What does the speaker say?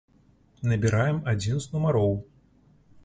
Набіраем адзін з нумароў.